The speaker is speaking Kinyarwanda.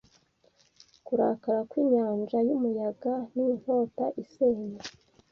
kurakara kw'inyanja y'umuyaga, n'inkota isenya